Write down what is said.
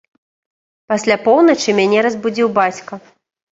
Пасля поўначы мяне разбудзіў бацька.